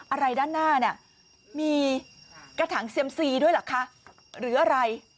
อะไรด้านหน้าเนี่ยมีกระถังเซียมซีด้วยเหรอคะหรืออะไร